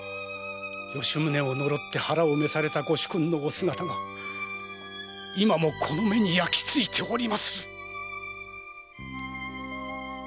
吉宗を呪って腹を召されたご主君のお姿が今もこの目に灼き付いておりまする。